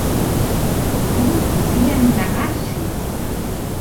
Com podien negar-s'hi?